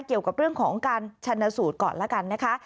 เกี่ยวกับเรื่องของการชันสูตรก่อนแล้วกันนะคะ